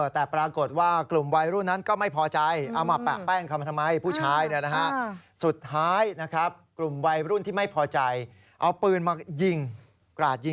แต่ปรากฏว่ากลุ่มไวรุ่นนั้นไม่พอใจ